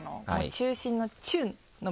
「中心の中」？